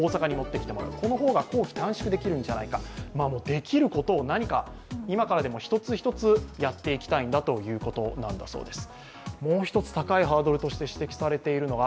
できることを、今からでも一つ一つやっていきたいんだということなんだそうです。